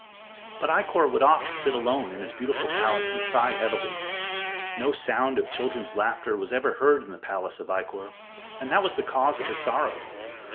But Ikkor would oft sit alone in his beautiful palace and sigh heavily. No sound of children's laughter was ever heard in the palace of Ikkor, and that was the cause of his sorrow.